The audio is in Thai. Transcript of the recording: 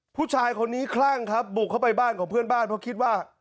ผู้ชายคนนี้คลั่งครับบุกเข้าไปบ้านของเพื่อนบ้านเพราะคิดว่า